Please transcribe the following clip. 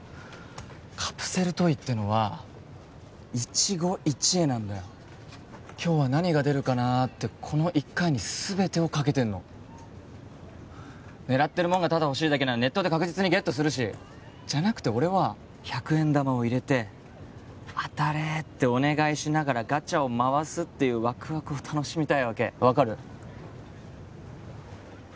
カプセルトイってのは一期一会なんだよ今日は何が出るかなあってこの１回に全てをかけてんの狙ってるもんがただ欲しいだけならネットで確実にゲットするしじゃなくて俺は１００円玉を入れて「当たれ」ってお願いしながらガチャを回すっていうワクワクを楽しみたいわけ分かる？